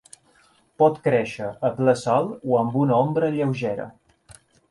Pot créixer a ple sol o amb una ombra lleugera.